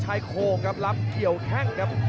เสียบด้วยเขาซ้ายแตกกันครับ